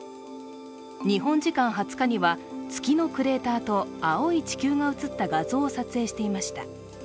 日本時間２０日には月のクレーターと青い地球が写った画像を撮影していました。